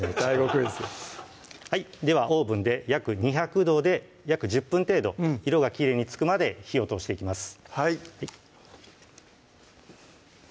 クイズではオーブンで約２００度で約１０分程度色がきれいにつくまで火を通していきます